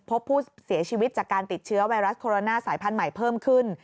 พบผู้เสียชีวิตจากการติดเชื้อไวรัสโคโรนาสายพันธุ์ใหม่เพิ่มขึ้น